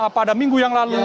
pada minggu yang lalu